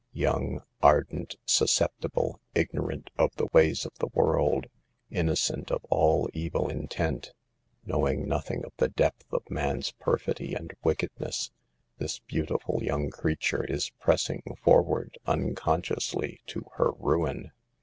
Young, ardent, susceptible, ignorant of the ways of the world, innocent of all evil intent, knowing nothing of the depth of man's perfidy and wickedness, this beautiful young creature is pressing for ward, unconsciously, to her ruin.